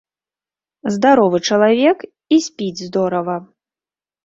Здаровы чалавек і спіць здорава.